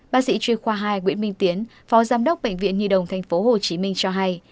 bác sĩ chuyên khoa hai nguyễn minh tiến phó giám đốc bệnh viện nhi đồng tp hcm cho hay